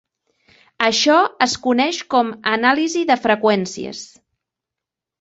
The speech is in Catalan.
Això es coneix com anàlisi de freqüències.